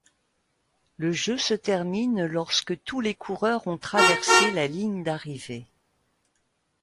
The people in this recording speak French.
Le jeu se termine lorsque tous les coureurs ont traversé la ligne d'arrivée.